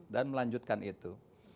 dan melanjutkan itu